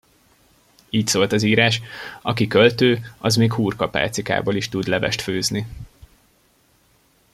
Így szólt az írás: Aki költő, az még hurkapálcikából is tud levest főzni.